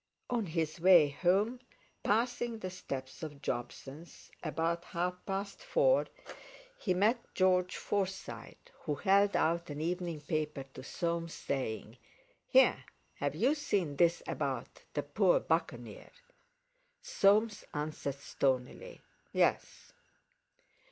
On his way home, passing the steps of Jobson's about half past four, he met George Forsyte, who held out an evening paper to Soames, saying: "Here! Have you seen this about the poor Buccaneer?" Soames answered stonily: "Yes."